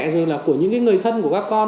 rồi là của những người thân của các con